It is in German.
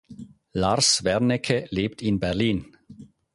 Lars Wernecke lebt in Berlin.